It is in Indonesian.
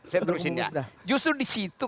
saya terusin ya justru disitu